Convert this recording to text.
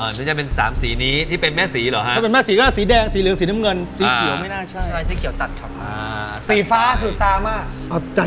อ๋อน่าจะเป็น๓สีนี้ที่เป็นแม่สีหรอฮะ